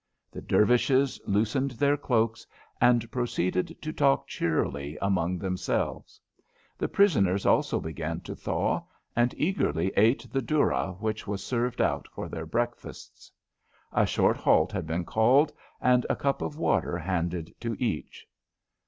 The Dervishes loosened their cloaks and proceeded to talk cheerily among themselves. The prisoners also began to thaw, and eagerly ate the doora which was served out for their breakfasts. A short halt had been called, and a cup of water handed to each.